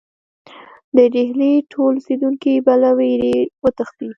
د ډهلي ټول اوسېدونکي به له وېرې وتښتي.